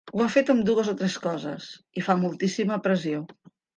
Ho ha fet amb dues o tres coses i fa moltíssima pressió.